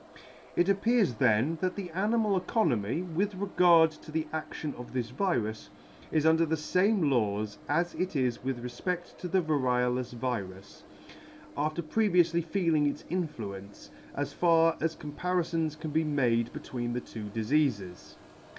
It appears then that the animal economy, with regard to the adlion of this virus, is under the fame laws as it is with refped: to the variolous virus, after previoufly feeling its influence, as far as comparifons can be made between the two difeafes.